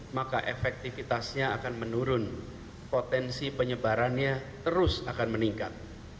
maka efektivitasnya akan menurun potensi penyebarannya terus akan meningkat